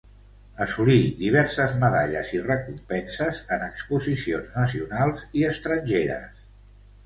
Assolí diverses medalles i recompenses en exposicions nacionals i estrangeres.